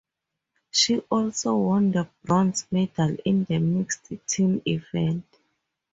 She also won the bronze medal in the mixed team event.